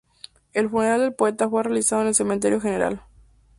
El funeral del poeta fue realizado en el Cementerio General.